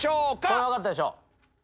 これは分かったでしょ。